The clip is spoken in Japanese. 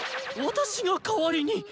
私が代わりに。